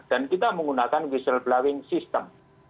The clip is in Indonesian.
dan kita menggunakan whistle blowing system